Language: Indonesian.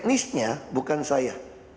teknisnya bukan saya